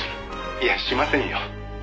「いやしませんよ」